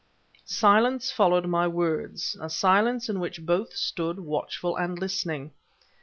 Silence followed my words, a silence in which both stood watchful and listening.